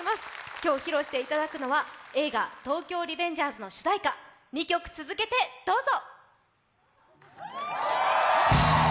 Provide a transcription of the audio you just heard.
今日披露していただくのは、映画「東京リベンジャーズ」の主題歌、２曲続けてどうぞ。